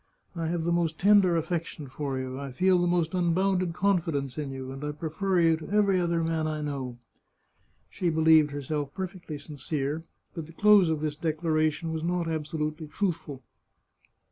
I have the most tender affection for you, I feel the most unbounded con fidence in you, and I prefer you to every other man I know." She believed herself perfectly sincere, but the close of this declaration was not absolutely truthful.